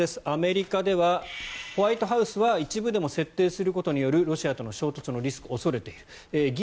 アメリカではホワイトハウスは一部でも設定することによるロシアとの衝突のリスクを恐れている。